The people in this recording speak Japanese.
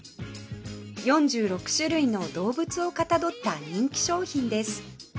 ４６種類の動物をかたどった人気商品です